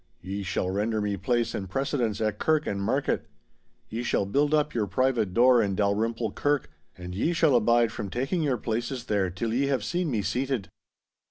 Ye shall render me place and precedence at kirk and market. Ye shall build up your private door in Dalrymple Kirk, and ye shall abide from taking your places there till ye have seen me seated.